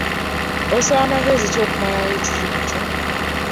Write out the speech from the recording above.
Osala magezi ki okumalwo ekizibu ekyo?